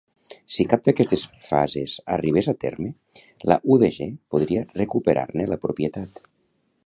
Si cap d'aquestes fases arribés a terme, la UdG podria recuperar-ne la propietat.